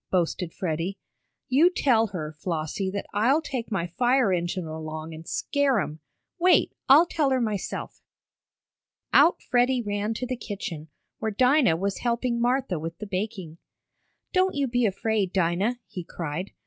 boasted Freddie. "You tell her, Flossie, that I'll take my fire engine along an' scare 'em. Wait, I'll tell her myself." Out Freddie ran to the kitchen, where Dinah was helping Martha with the baking. "Don't you be afraid, Dinah!" he cried.